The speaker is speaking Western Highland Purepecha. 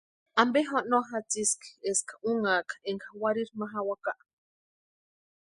¿Ampe no jatsiski eska únhaka énka warhiri ma jawaka?